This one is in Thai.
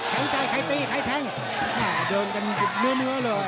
แข็งใจใครตีใครแทงเดินกันหยิบเนื้อเนื้อเลย